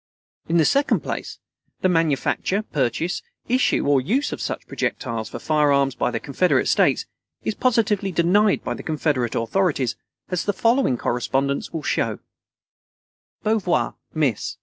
In the second place, the manufacture, purchase, issue or use of such projectiles for firearms by the Confederate States, is positively denied by the Confederate authorities, as the following correspondence will show: BEAUVOIR, MISS.